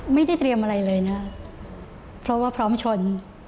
ไม่ได้เตรียมอะไรเลยนะเพราะว่าพร้อมชน